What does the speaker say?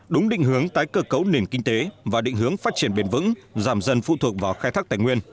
đúng định hướng tái cơ cấu nền kinh tế và định hướng phát triển bền vững giảm dần phụ thuộc vào khai thác tài nguyên